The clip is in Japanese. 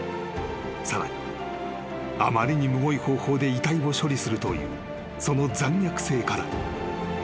［さらにあまりにむごい方法で遺体を処理するというその残虐性から］